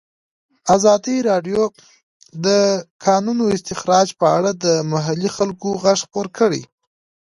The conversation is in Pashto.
ازادي راډیو د د کانونو استخراج په اړه د محلي خلکو غږ خپور کړی.